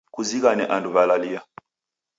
Kuzighane andu w'alalia